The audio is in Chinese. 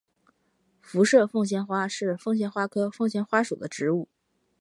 辐射凤仙花是凤仙花科凤仙花属的植物。